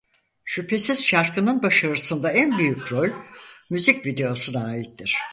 Şüphesiz şarkının başarısında en büyük rol müzik videosuna aittir.